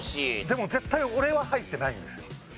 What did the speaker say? でも絶対俺は入ってないんですよ。